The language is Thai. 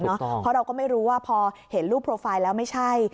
เพราะเราก็ไม่รู้ว่าพอเห็นรูปโปรไฟล์แล้วไม่ใช่